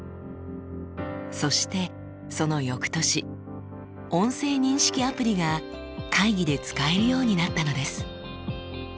そしてその翌年音声認識アプリが会議で使えるようになったのです。